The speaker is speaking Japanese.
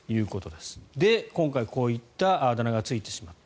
で、今回こういったあだ名がついてしまった。